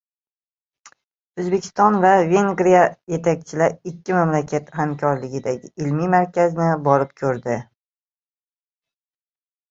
O‘zbekiston va Vengriya yetakchilari ikki mamlakat hamkorligidagi ilmiy markazni borib ko‘rdi